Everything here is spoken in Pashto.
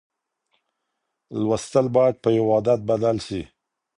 لوستل باید په یو عادت بدل سي.